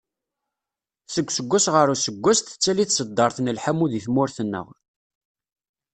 Seg useggas ɣer useggas tettali tseddart n lḥamu deg tmurt-nneɣ